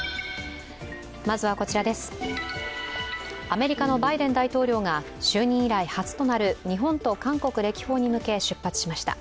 アメリカのバイデン大統領が就任以来、初となる日本と韓国歴訪に向け出発しました。